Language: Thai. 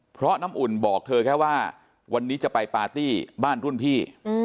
เพราะน้ำอุ่นบอกเธอแค่ว่าวันนี้จะไปปาร์ตี้บ้านรุ่นพี่